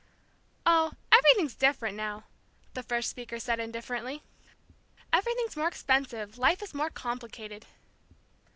"Oh, everything's different now," the first speaker said indifferently. "Everything's more expensive, life is more complicated.